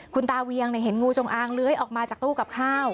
คุณตาเวียงเห็นงูจงอางเลื้อยออกมาจากตู้กับข้าว